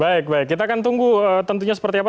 baik baik kita akan tunggu tentunya seperti apa